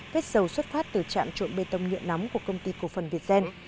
vết dầu xuất phát từ trạm trộn bê tông nhựa nóng của công ty cổ phần việt gen